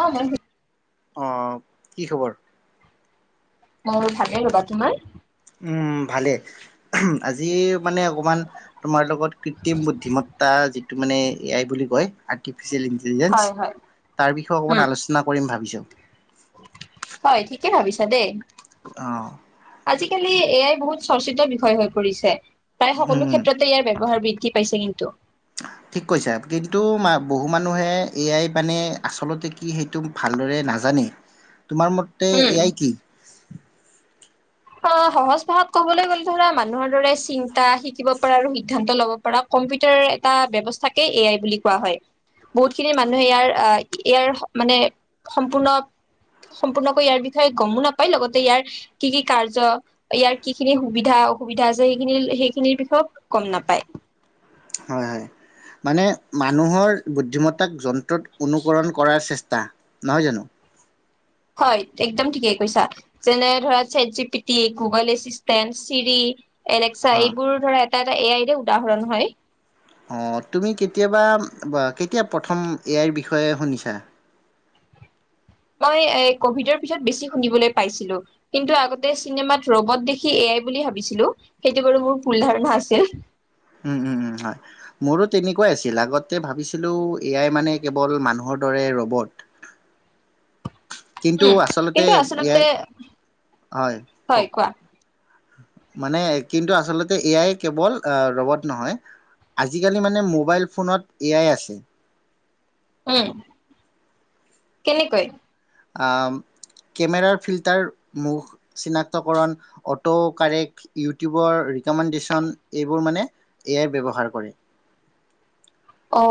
অঁ। আহ, কি খবৰ? মই ভালেই ৰ'বা তোমাৰ? উম, ভালে। আজি মানে অকণমান তোমাৰ লগত কৃত্ৰিম বুদ্ধিমত্তা যিটো মানে। এয়াই বুলি কয় আকৃতি। ফিচিয়াল ইন্তেলিছেন হয় হয় তাৰ বিষয়ে অকমান উম আলোচনা কৰিম ভাবিছো ঠিকে ভাবিছা দেই। অ', আজিকালি এ আই বহুত। চৰ্চিত বিষয় হৈ পৰিছে। প্ৰায় সকলো উম, ক্ষেত্ৰতে ইয়াৰ ব্যৱহাৰবিধ। কি পাইছে কিন্তু। ঠিক কৈছা, কিন্তু বহু মানুহে এয়াই মানে আচলতে কি সেইটো ভালদৰে নাজানে। তোমাৰ মতে উম এয়াই কি। অ, সহজ ভাষাত কবলৈ গলে ধৰা মানুহৰ দৰে চিন্তা শিকিব পৰা আৰু সিদ্ধান্ত লব পৰা কম্পিউটাৰ এটা ব্যৱস্থাকে এ আই বুলি কোৱা হয়, বহুত খিনি মানুহে ইয়াৰ আহ ইয়াৰ মানে সম্পূৰ্ণ সম্পূৰ্ণকৈ ইয়াৰ বিষয়ে গমো নাপায় লগতে ইয়াৰ কি কি। কাৰ্য ইয়াৰ কি খিনি সুবিধা অসুবিধা আছে সেইখিনি সেইখিনিৰ বিষয়েত গম নাপায়। হয় হয়, মানে মানুহৰ বুদ্ধিমত্তাক যন্ত্ৰত অনুকৰণ কৰাৰ চেষ্টা নহয় জানো। হয় একদম ঠিকেই কৈছা, যেনে ধৰ chat G P T Google assistant Siri. এনেক্সা অ', এইবোৰ ধৰা। এটা এ আইৰে উদাহৰণ হয়। অঁ, তুমি কেতিয়াবা কেতিয়া প্ৰথম এ আইৰ বিষয়ে শুনিছা। মই এ কভিডৰ পিছত বেছি শুনিবলৈ পাইছিলো কিন্তু আগতে চিনেমাত ৰবট দেখি এয়াই বুলি ভাবিছিলো, সেইটো বাৰু মোৰ ভুল ধাৰণা আছিল। উ উম উম হয়, মোৰো তেনেকুৱাই আছিল। আগতে ভাবিছিলোঁ এয়াই মানে কেৱল মানুহৰ দৰে ৰবট। কিন্তু উম, আচলতে কিন্তু এ আই আচলতে হয় কোৱা। মানে কিন্তু আচলতে এ আই কেৱল ৰ'বত নহয়। আজিকালি মানে মোবাইল ফোনত এ আই আছে। উম, কেনেকৈ। কেমেৰাৰ ফিল্টাৰ মুখ চিনাক্তকৰণ অটো'কাৰেক্ট ইউটিউবৰ ৰিকমেণ্ডেশ্যন এইবোৰ মানে এয়াই ব্যৱহাৰ কৰে। অ,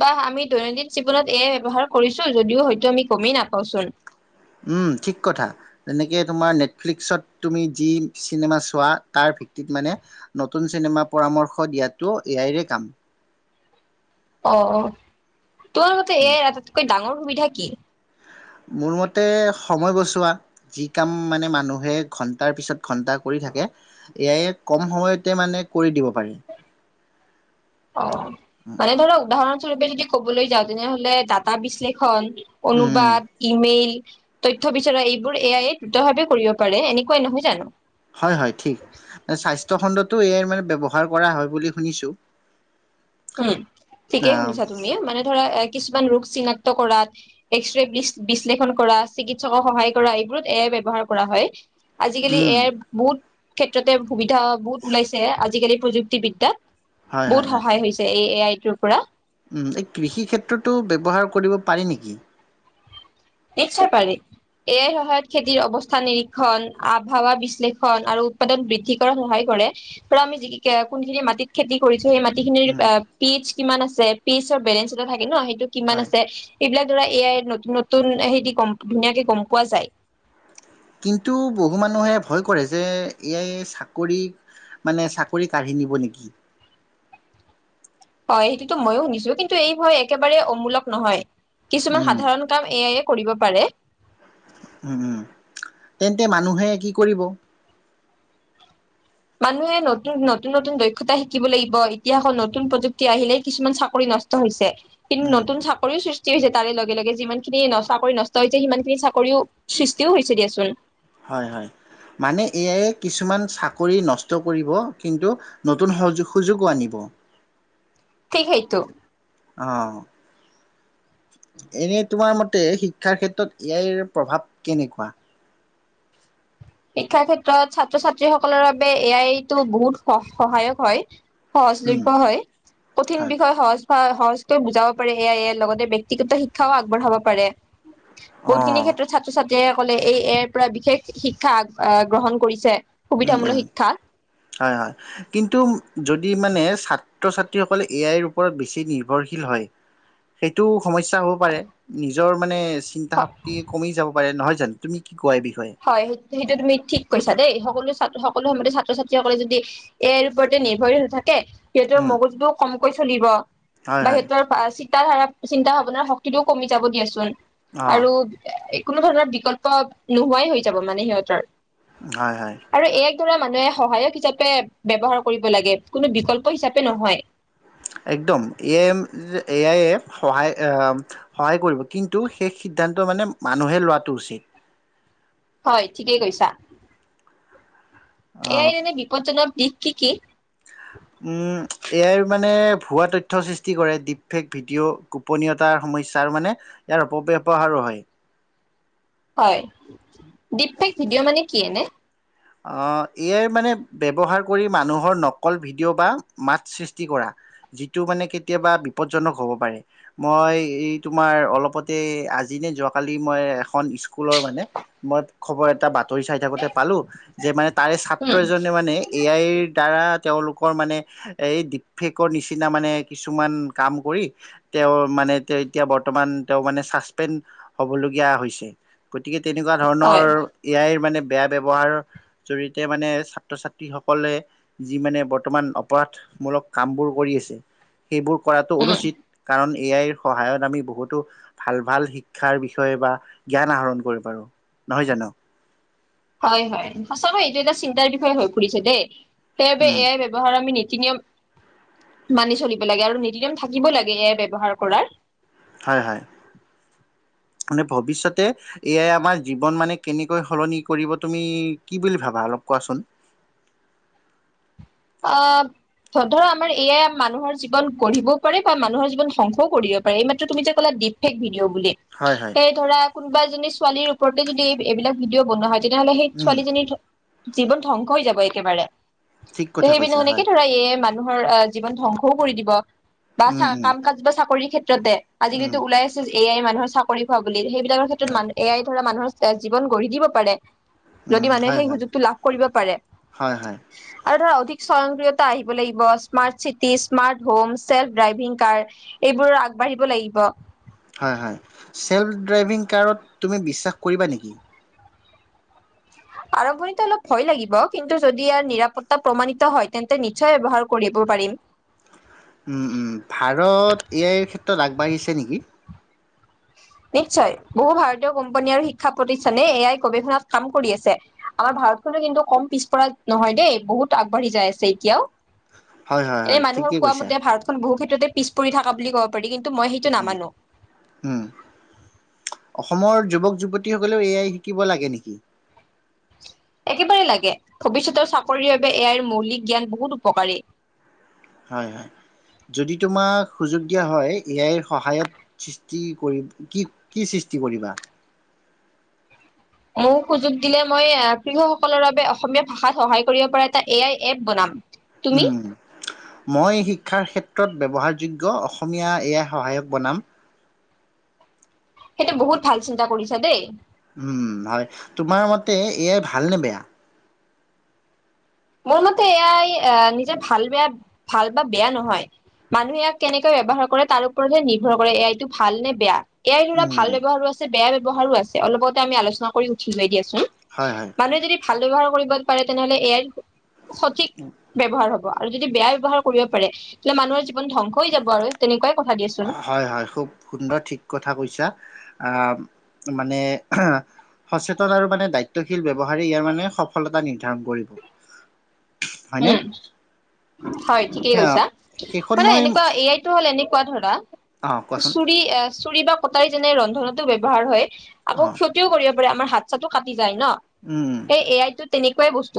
বা আমি দৈনন্দিন জীৱনত এয়া ব্যৱহাৰ কৰিছো। যদিও হয়তো আমি গমেই নাপাওচোন। উম ঠিক কথা, তেনেকে তোমাৰ নেটফ্লিক্সত তুমি যি চিনেমা চোৱা তাৰ ভিত্তিত মানে নতুন চিনেমা পৰামৰ্শ দিয়াটো এয়াইৰে কাম। অহ অ'। তোমাৰ মতে উম, এ আটাইতকৈ ডাঙৰ। সুবিধা কি? মোৰ মতে সময় বচোৱা যি কাম মানে মানুহে ঘণ্টাৰ পিছত ঘণ্টা কৰি থাকে এয়াই কম সময়তে মানে কৰি দিব পাৰে। অ, মানে ধৰ উদাহৰণস্বৰূপে যদি। ক'বলৈ যাওঁ, তেনেহ'লে ডাটা বিশ্লেষণ উম, অনুবাদ, ইমেইল তথ্য বিচৰা, এইবোৰ এ আইয়ে দ্ৰুত ভাৱে কৰিব পাৰে। এনেকুৱাই নহয় জানো? হয়, হয়। ঠিক। স্বাস্থ্য খণ্ডতো এ আই মানে ব্যৱহাৰ কৰা হয় বুলি শুনিছোঁ। উম, ঠিকেই আহ শুনিছা তুমি। মানে ধৰা এ কিছু কিছুমান ৰোগ চিনাক্ত কৰাত, এক্সৰে বিশ্লেষণ কৰাত, চিকিৎসকক সহায় কৰা এইবোৰত এয়াই ব্যৱহাৰ কৰা হয়। আজিকালি উম, এ য়াই বহুত ক্ষেত্ৰতে সুবিধা বহুত ওলাইছে আজিকালি প্ৰযুক্তিবিদ্যা হয় বহুত হয় হয়। সহায় হৈছে। এই এ আইটোৰ পৰা উম, এই কৃষি ক্ষেত্ৰতো ব্যৱহাৰ কৰিব পাৰি নেকি? নিশ্চয় পাৰি। এই আইৰ সহায়ত খেতিৰ অৱস্থা নিৰীক্ষণ, আবহাৱা বিশ্লেষণ আৰু উৎপাদন বৃদ্ধি কৰাত সহায় কৰে আৰু আমি য কোনখিনি মাটিত খেতি কৰিছো সেই মাটি যি খিনিৰ উম, পিটচ কিমান আছে পিটছৰ বেলেঞ্চ এটা থাকে ন কিমান হয়। আছে এইবিলাক ধৰা এ য়াই নতুন- নতুন নতুন সেদি গম ধুনীয়াকে গম পোৱা যায়। কিন্তু বহু মানুহে ভয় কৰে যে, এ য়াই চাকৰি মানে চাকৰি কাঢ়ি নিব নেকি? হয় সেইটোটো মইয়ো শুনিছো। কিন্তু এই ভয় একেবাৰে অমূলক নহয়। কিছুমান উম সাধাৰণ কাম এ য়াই এ কৰিব পাৰে। উম, উম। তেন্তে মানুহে কি কৰিব? মানুহে নতুন-নতুন নতুন দক্ষতা শিকিব লাগিব। ইতিহাসত নতুন প্ৰযুক্তি আহিলে কিছুমান চাকৰি নষ্ট হৈছে। কিন্তু উম নতুন চাকৰিও সৃষ্টি স হৈছে তাৰে লগে লগে যিমান খিনি ন চাকৰি নষ্ট হৈছে সিমান খিনি চাকৰিও সৃষ্টিও হৈছে দিয়াচোন। হয়, হয়। মানে এ আই এ কিছুমান চাকৰি নষ্ট কৰিব কিন্তু নতুন স সুযোগো আনিব। ঠিক সেইটো। অ, এনে তোমাৰ মতে শিক্ষাৰ ক্ষেত্ৰত এ আইৰ প্ৰভাৱ কেনেকুৱা? শিক্ষাৰ ক্ষেত্ৰত ছাত্ৰ-ছাত্ৰী সকলৰ বাবে এ আইটো বহুত স সহায়ক হয়। উম সহজলভ্য হয়। কঠিন হয় বিষয় সহজ হয় সহজকৈ বুজাব পাৰে এ আই এ। লগতে ব্যক্তিগত শিক্ষাও আগবঢ়াব পাৰে। অ বহুখিনি ক্ষেত্ৰত ছাত্ৰ ছাত যেসকলে এই এ আইৰ পৰা বিশেষ শিক শিক্ষা আ গ্ৰহণ কৰিছে। উম, উম। শিক্ষা হয়, হয়। কিন্তু যদি যদি মানে ছাত্ৰ-ছাত্ৰীসকলে এ আইৰ ওপৰত বেছি নিৰ্ভৰশীল হয়, সেইটো সমস্যা হ'ব পাৰে। নিজৰ মানে চিন্তা শক্তি কমি যাব পাৰে নহয়। তুমি কি। কোৱা এই বিষয়ে? হয় সেইটো তুমি ঠিক কৈছা দেই সকলো। সকলো সময়তে ছাত্ৰ ছাত্ৰী সকলে যদি এইৰ ওপৰতে নিৰ্ভৰশী হৈ থাকে। সিহঁতৰ উম, মগজবোৰ কম। কৈ চলিব। হয় হয় বাহিৰ তাৰিখ। তাৰ ধাৰা চিন্তা ভাৱনাৰ শক্তিটোও কমি যাব দিয়াচোন। অ' আৰু কোনো ধৰণৰ বিকল্প। হুৱাই হৈ যাব মানে সিহঁতৰ। হয় হয়। আৰু এক মানুহে সহায়ক হিচাপে ব্যৱহাৰ কৰিব লাগে কোনো বিকল্প হিচাপে নহয়। একদম এ এ আাই সহায় আহ সহায় কৰিব কিন্তু সেইষ সিদ্ধান্ত মানে মানুহে লোৱাটো উচিত। হয় ঠিকেই কৈছা। অ' এয়াই যেনেে বিপদজনক। দিক কি কি। উম এয়াই মানে ভুৱা তথ্যৰ সৃষ্টি কৰে ডিপ ফেক ভিডিঅ' গোপনীয়তাৰ সমস্যাৰ মানে ইয়াৰ অপব্যৱহাৰো হয়। হয় দক। ভিডিঅ' মানে কি এনে। আহ এয়াই মানে ব্যৱহাৰ কৰি মানুহৰ নকল ভিডিঅ' বা মাত সৃষ্টি কৰা যিটো মানে কেতিয়াবা বিপদজনক হ'ব পাৰে মই এই তোমাৰ অলপতে আজি নে যোৱাকালি মই এখন স্কুলৰ মানে মই খবৰ এটা পালো। তৰি চাই থাকোতে পালো। যে মাই। তাৰে ছাত্ৰ উম এজনে মানে এ আইৰ। দাৰা তেওঁলোকৰ মানে এই ডপেকৰ নিচিনা মানে কিছুমান কাম কৰি তেওঁ মানে তে এতিয়া বৰ্তমান তেওঁ মানে ছাচপেণ্ড হবলগীয়া হৈছে। গতিকে তেনেকুৱা ধৰণৰ হয় এ আইৰ মানে বেয়া ব্যৱহাৰ জৰিয়তে মানে ছাত্ৰ ছাত্ৰীসকলে যি মানে বৰ্তমান অপৰাধমূলক কামবোৰ কৰি আছে। সেইবোৰ কৰাটো উম অনুচিত কাৰণ এ আইৰ সহায়ত আমি বহুতো ভাল ভাল শিক্ষাৰ বিষয়ে বা জ্ঞান আহৰণ কৰিব পাৰো নহয় জানো। হয় হয় সঁচাকৈ এইটো এটা চিন্তাৰ বিষয়ে হৈ পৰিছে দেই সেইবাবে উম এই আইৰ‌ ব্যৱহাৰ আমি নিশ্চয় নীতি নিয়ম মানি চলিব লাগে আৰু নীতি নিয়ম থাকিবয়ে লাগে এই আইৰ ব্যৱহাৰ কৰাৰ। হয় হয় মানে ভৱিষ্যতে এ আইয়ে আমাৰ জীৱন মানে কেনেকৈ সলনি কৰিব তুমি কি বুলি ভাবা অলপ কোৱাচোন অ ধ ধৰা আমাৰ এ আইৰ মানুহৰ জীৱন গঢ়িবও পাৰে বা মানুহৰ জীৱন ধংসও কৰিব পাৰে এই মাত্ৰ তুমি যে ক'লা ডিপফেক দিও বুলি হয় হয় সেই ধৰা কোনোবা এইজনী [unintelligible] ছোৱালীৰ ওপৰতে যদি এইবিলাক ভিডিঅ বনোৱা হয় তেতিয়া হ'লে সেই উম ছোৱালীজনীৰ জীৱন ধ্বংস হৈ যাব একেবাৰে ঠিক ত কথা সেইবিনা কৈছা সেনেকে হয় ধৰা এ আই মানুহৰ অ জীৱন ধ্বংসও কৰি দিব বা চা উম উম কাম কাজ বা চাকৰিৰ ক্ষেত্ৰত আধিক উল আজি উম কিন্তু ওলাইছে এ আই মানুহৰ চাকৰি খোৱা বুলি সেই তেনেক্ষেত্ৰ হয় মানে এয়াই ধৰা মানুহৰ জীৱন গঢ়ি দিব পাৰে। যদি উম মানুহে হয় সেই হয় সুযোগটো লাভ কৰিব পাৰে হয় হয় আৰু ধৰক। স্বয়ংক্ৰিয়তা আহিব লাগিব smart city smart home self driving car এইবোৰ আগবাঢ়িব লাগিব। হয় হয় ছেভ ডাইভিংকাৰত তুমি বিশ্বাস কৰিবা নেকি। আৰম্ভণিতে অলপ ভয় লাগিব কিন্তু যদি ইয়াৰ নিৰাপত্তা প্ৰমাণিত হয় তেন্তে নিশ্চয় ব্যৱহাৰ কৰিব পাৰিম উম, উম, ভাৰত এ আইৰ ক্ষেত্ৰত আগবাঢ়িছে নেকি। নিশ্চয় বহু ভাৰতীয় কোম্পানী আৰু শিক্ষা প্ৰতিষ্ঠানে এ আইৰ গৱেষণাত কাম কৰি আছে আমাৰ ভাৰতখনো কিন্তু কম পিছপৰা নহয় দেই বহুত আগবাঢ়ি যাই আছে এতিয়াও। হয়, হয়, এনে হয়, মানুহৰ ঠিকেই কোৱা কৈছা। মতে ভাৰতখন বহুতখিনি তাতে পিছপৰি থকা বুলি কব পাৰি কিন্তু কিন্তু মই সেইটো উম, নামানো উম, অসমৰ যুৱক যুৱতীসকলেও এআই শিকিব লাগে নেকি শিকিবয়ে লাগে ভৱিষ্যতৰ চাকৰি বাবে এআইৰ মৌলিক জ্ঞান বহুত উপকাৰী হয় হয় যদি তোমাক সুযোগ দিয়া হয় এআইৰ সহায়ত সৃষ্টি কৰি কি কি সৃষ্টি কৰিবা মোক সুযোগ দিলে মই কৃষকসকলৰ বাবে অসমীয়া ভাষাত সহায় কৰিব পৰা এটা এ আই এপ বনাম। তুমি উম মই শিক্ষাৰ ক্ষেত্ৰত ক্ৰত ব্যৱহাৰযোগ্য অসমীয়া এ আই সহায়ক বনাম সেইটো বহুত ভাল চিন্তা কৰিছ দেই উম হয়, তোমাৰ মতে এয়া ভাল নে বেয়া? মোৰ মতে এয়াই আহ নিজে ভাল বেয়া ভাল বা বেয়া নহয়, মানুহে ইয়াক কেনেকে ব্যৱহাৰ কৰে তাৰ ওপৰতহে নিৰ্ভৰ কৰে, ‌ এই এইটো ভাল নে বেয়া। এয়াই ধৰা উম, ভাল ব্যহাৰো আছে বেয়ায়ে ব্যৱহাৰো আছে, অলপতে আমি আলোচনা কৰি উঠি উঠি উলিয়াই দি আছোঁ। হয়, হয়। মানুহে যদি ভাল ব্যৱহাৰ কৰিব পাৰে তেনেহলে এয়াই সঠিক ব্যৱহাৰ হ'ব। আৰু যদি বেয়া ব্যৱহাৰ কৰিব পাৰে, তেন্তে মানুহৰ জীৱন ধ্বংস হৈ যাব আৰু তেনেকুৱাই। কথা দিয়াচোন। হয়, হয়, খুব সুন্দৰ, ঠিক কথা কৈছা। অ'হ। মানে সচেতন আৰু মানে দায়িত্বশীল ব্যৱহাৰে ইয়াৰ মে সফলতা নিৰ ধ্যান কৰিব হয়নে উম হয়, ঠিকেই সেয়া কৈছা। শেষত মানে মই এনেকুৱা এ আইতটো হ'ল এনে কোৱা ধৰা অ কোৱাচোন চুৰি আহ চুৰি বা কটাৰী যেনে ৰন্ধনতো ব্যৱহাৰ হয় আকৌ অ ক্ষতিও কৰিব পাৰে মাৰ হাত চাতটো কাটি যাই ন'? উম সেই এ আইটো তেনেকুৱা। কোৱাই বস্ত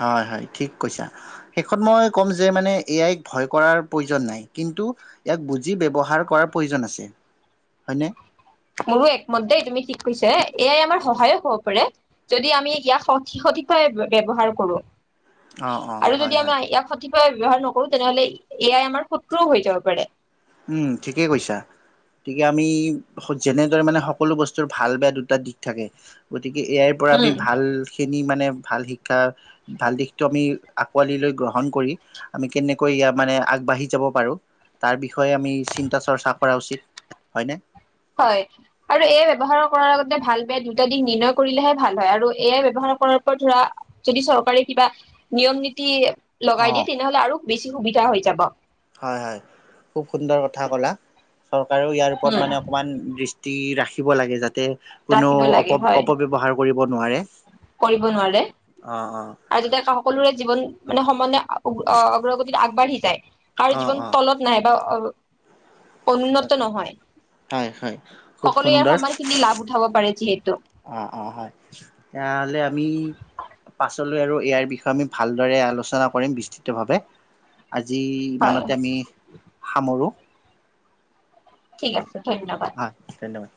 হয় হয় ঠিক কৈছা শেষত মই ক'ম যে মানে এয়াই ভয় কৰাৰ প্ৰয়োজন নাই, কিন্তু ইয়াক বুজি ব্যৱহাৰ কৰাৰ প্ৰয়োজন আছে, হয়নে? মোৰো একমতই তুমি ঠিক কৈছা, এয়াই আমাৰ সহায়ক হব পাৰে যদি আমি ইয়াক সিক সঠিক ভাবে ব্যৱহাৰ কৰোঁ। অ অ আৰু হয় যদি আমি হয় ইয়াক ক্ষতি ব ব্যৱহাৰ নকৰো, তেনেহলে এয়াই আমাৰ শত্ৰুও হৈ যাব পাৰে। উম ঠিকেই কৈছা, গতিকে আমি যেনেদৰে মানে সকলো বস্তুৰ ভাল বেয়া দুটা দিশ থাকে গতিকে ইয়াৰ পৰা আমি উম ভাল খিনি মানে ভাল শিক্ষা, ভাল দিশটো আমি আঁকোৱালি লৈ গ্ৰহণ কৰিম, ‌ আমি কেনেকৈ মানে আগবাঢ়ি যাব পাৰোঁ, তাৰ বিষয়ে বিষয়ে আমি চিন্তা চৰ্চা কৰা উচিত। হয় আৰু এ আই ব্যৱহাৰ কৰাৰ আগতে ভাল বে দুটা দিশ নিৰ্ণয় কৰিলেহে ভাল হয়, আৰু এ আই ই ব্যৱহাৰ কৰাৰ ওপৰত ধৰা, যদি চৰকাৰে কিবা নিয়ম নীতি লগাই অ' দিয়ে তেনেহ'লে আৰু বেছি সুবিধা হৈ যাব। হয় হয় খুব সুন্দৰ কথা ক'লা। চৰকাৰেও ইয়াৰ উম ওপৰত মানে অকণমান দৃষ্টি ৰাখে। দিব লাগে যাতে তে ৰাখিব কোনেও লাগে অপ হয় অপব্যৱহাৰ কৰিব ব নোৱাৰে। কৰিব নোৱাৰে অ' অ' আৰু যেতিয়া সকলোৰে জীৱন, সমানে অগ্ৰগতিত আগবাঢ়ি যায়। কাৰো অ' জীৱন অ' তলত নাই বা, আৰু [unintelligible] উন্নত নহয় হয় হয় খুব সকলোৱে ইয়াৰ সময়খিনি লাভ উঠাব পাৰে যিহেতু। অঁ-অঁ হয়, তেতিয়াহ'লে আমি পাছলৈ আৰু ইয়াৰ বিষয়ে আমি ভালদৰে আলোচনা কৰিম বিস্তৃতভাৱে। আজি হয় ইমানতে আমি সামৰোঁ। ঠিক আছে। ধন্যবাদ। হয় ধন্যবাদ।